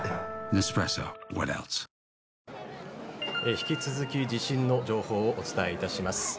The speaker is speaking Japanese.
引き続き地震の情報をお伝えいたします。